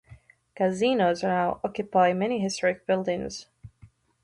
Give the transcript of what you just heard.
Casinos now occupy many historic buildings.